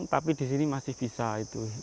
tapi di sini masih bisa itu